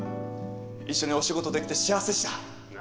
一緒にお仕事できて幸せでした。